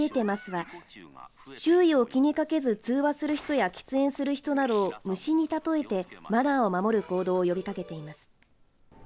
は周囲を気にかけず通話する人や喫煙する人などを虫に例えてマナーを守る行動を呼びかけています。